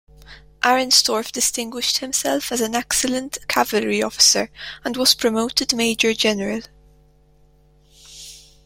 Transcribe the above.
Arenstorff distinguished himself as an excellent cavalry officer and was promoted Major General.